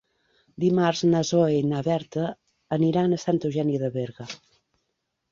Dimarts na Zoè i na Berta aniran a Santa Eugènia de Berga.